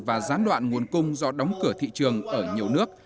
và gián đoạn nguồn cung do đóng cửa thị trường ở nhiều nước